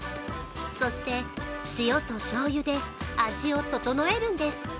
そして塩としょうゆで味を整えるんです。